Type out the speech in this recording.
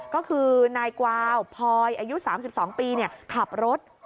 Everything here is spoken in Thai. ก็คือนายกวาวพลอยอายุ๓๒ปีขับรถ